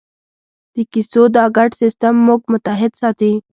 د کیسو دا ګډ سېسټم موږ متحد ساتي.